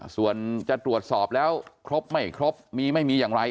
ส่วนจะตรวจสอบแล้วครบไม่ครบมีไม่มีอย่างไร